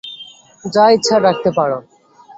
যা ইচ্ছা ডাকতে পারো।